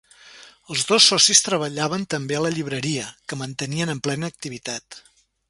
Els dos socis treballaven també a la llibreria, que mantenien en plena activitat.